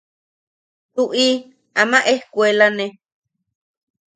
–Tuʼi ama ejkuelane.